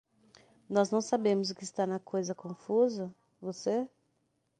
Nós não sabemos o que está na coisa confusa? você?